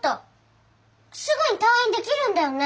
すぐに退院できるんだよね？